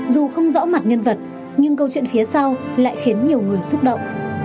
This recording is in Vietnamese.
dù không rõ mặt nhân vật nhưng câu chuyện phía sau lại khiến nhiều người xúc động